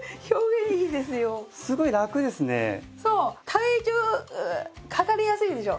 体重かかりやすいでしょ。